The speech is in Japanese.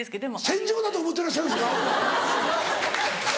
戦場だと思ってらっしゃるんですか⁉すごい！